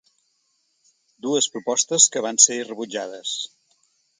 Dues propostes que van ser rebutjades.